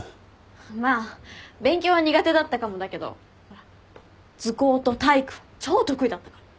まあ勉強は苦手だったかもだけど図工と体育超得意だったから。